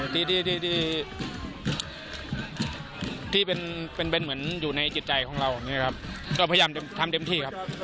ทีที่อยู่ในใจใจของเราก็พยายามทำเด้มที่ครับ